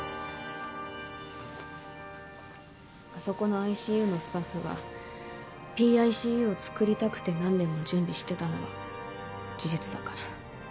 あそこのＩＣＵのスタッフがＰＩＣＵを作りたくて何年も準備してたのは事実だから。